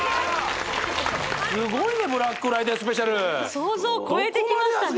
すごいねブラックフライデーＳＰ想像を超えてきましたね